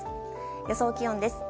予想気温です。